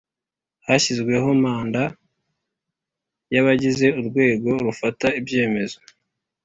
Hashyizweho manda y abagize urwego rufata ibyemezo